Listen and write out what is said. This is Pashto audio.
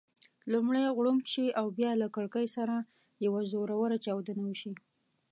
لومړی غړومب شي او بیا له کړېکې سره یوه زوروره چاودنه وشي.